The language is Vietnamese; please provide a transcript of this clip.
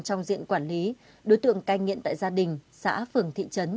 trong diện quản lý đối tượng cai nghiện tại gia đình xã phường thị trấn